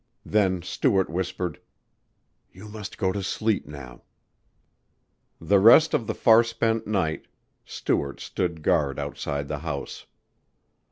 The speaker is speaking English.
Then Stuart whispered, "You must go to sleep now." The rest of the far spent night Stuart stood guard outside the house.